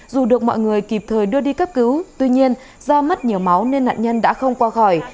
dù được mọi người kịp thời đưa đi cấp cứu tuy nhiên do mất nhiều máu nên nạn nhân đã không qua khỏi